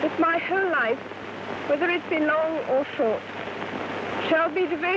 จะเป็นธรรมที่สุดและศัลย์ของพระราชาวิทยาลัย